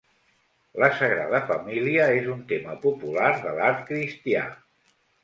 La Sagrada Família és un tema popular de l'art cristià.